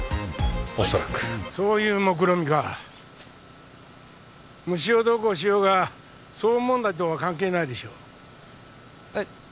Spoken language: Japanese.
おそらくそういうもくろみか虫をどうこうしようが騒音問題とは関係ないでしょえっ？